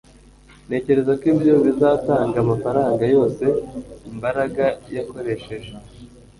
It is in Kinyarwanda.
Ntekereza ko ibyo bizatanga amafaranga yose Mbaraga yakoresheje